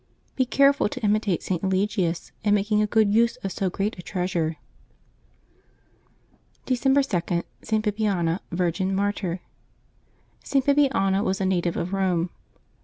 Be careful to imitate St. Eligius in making a good use of so great a treasure. December 2.— ST. BIBIANA, Virgin, Martyr. [t. Bibiana was a native of Eome.